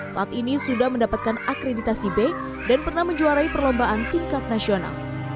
saat ini sudah mendapatkan akreditasi b dan pernah menjuarai perlombaan tingkat nasional